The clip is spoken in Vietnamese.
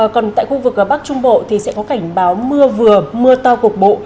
còn tại khu vực bắc trung bộ thì sẽ có cảnh báo mưa vừa mưa to cục bộ